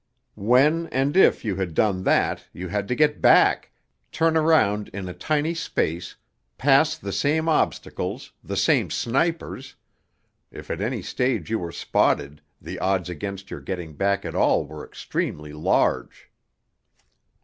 When (and if) you had done that you had to get back, turn round in a tiny space, pass the same obstacles, the same snipers.... If at any stage you were spotted the odds against your getting back at all were extremely large....